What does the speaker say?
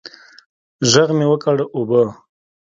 ږغ مې وکړ اوبه.